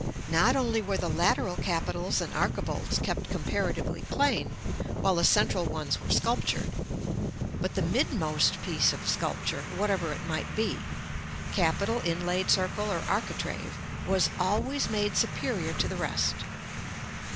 Not only were the lateral capitals and archivolts kept comparatively plain, while the central ones were sculptured, but the midmost piece of sculpture, whatever it might be, capital, inlaid circle, or architrave, was always made superior to the rest.